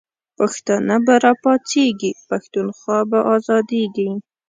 پښتانه به را پاڅیږی، پښتونخوا به آزادیږی